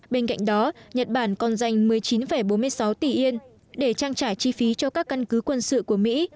bên cạnh đó nhật bản còn dành một mươi chín bốn mươi sáu tỷ yên để trang trải chi phí cho các căn cứ quân sự của mỹ